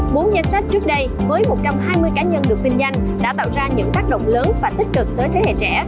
bốn danh sách trước đây với một trăm hai mươi cá nhân được vinh danh đã tạo ra những tác động lớn và tích cực tới thế hệ trẻ